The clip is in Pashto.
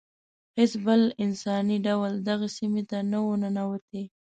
هیڅ بل انساني ډول دغه سیمې ته نه و ننوتی.